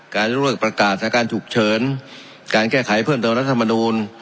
การเลือกประกาศอาการถูกเฉินการแก้ไขเพิ่มเติมรัฐธรรมนูญ